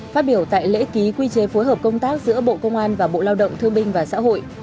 phát biểu tại lễ ký quy chế phối hợp công tác giữa bộ công an và bộ lao động thương binh và xã hội